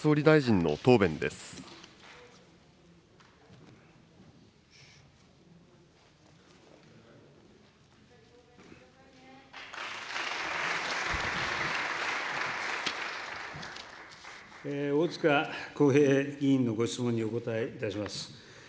大塚耕平議員のご質問にお答えいたします。